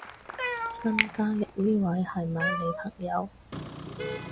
新加入呢位係咪你朋友